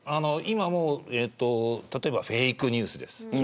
例えばフェイクニュースです。